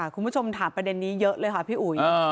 คุณผู้ชมถามประเด็นนี้เยอะเลยค่ะพี่อุ๋ย